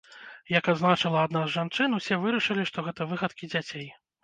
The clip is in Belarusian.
Як адзначыла адна з жанчын, усе вырашылі, што гэта выхадкі дзяцей.